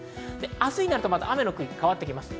明日になると雨の区域が変わってきます。